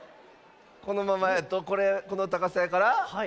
このままやとこれこのたかさやから。